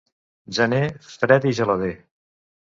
Gener, fred i gelader.